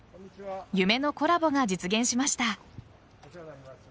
夢のコラボが実現しました。